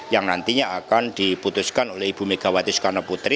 yang nantinya akan diputuskan oleh ibu mega wati sukarno putri